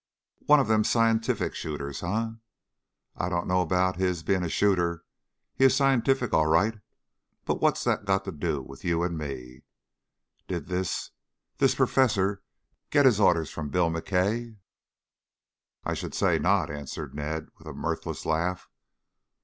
"One of them scientific shooters, eh?" "I don't know about his being a shooter. He is scientific, all right. But what's that got to do with you and me?" "Did this this perfesser get his orders from Bill McKay?" "I should say not," answered Ned with a mirthless laugh.